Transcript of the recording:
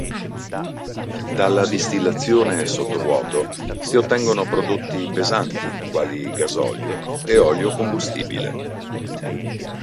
Dalla distillazione sotto vuoto si ottengono prodotti pesanti, quali gasolio e olio combustibile.